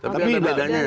tapi ada bedanya